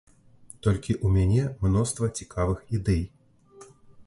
Толькі ў мяне мноства цікавых ідэй.